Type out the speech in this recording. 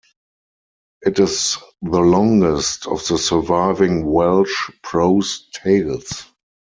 It is the longest of the surviving Welsh prose tales.